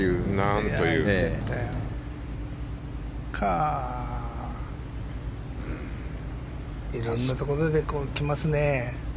いろんなところが出てきますね。